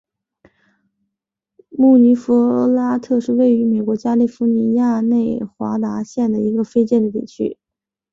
穆尼弗拉特是位于美国加利福尼亚州内华达县的一个非建制地区。